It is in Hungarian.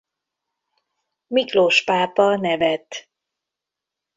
Miklós pápa nevet.